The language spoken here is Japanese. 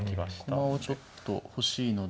駒をちょっと欲しいので。